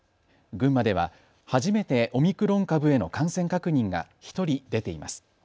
群馬では初めてオミクロン株への感染確認が１人、出ています。